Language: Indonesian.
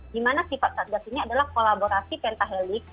gimana sifat satgas ini adalah kolaborasi pentaheli